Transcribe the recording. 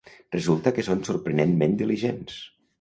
Resulta que són sorprenentment diligents.